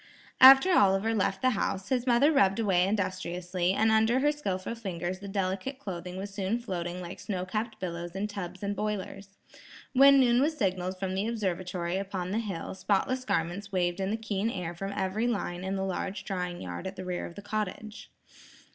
After Oliver left the house, his mother rubbed away industriously, and under her skilful fingers the delicate clothing was soon floating like snow capped billows in tubs and boilers. When noon was signalled from the observatory upon the hill, spotless garments waved in the keen air from every line in the large drying yard at the rear of the cottage.